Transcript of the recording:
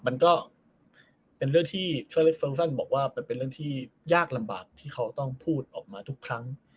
มันก็เป็นเรื่องที่บอกว่าเป็นเรื่องที่ยากลำบากที่เขาต้องพูดออกมาทุกครั้ง